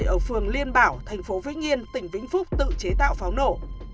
ở phường liên bảo thành phố vĩnh yên tỉnh vĩnh phúc tự chế tạo pháo nổ